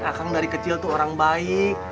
akang dari kecil tuh orang baik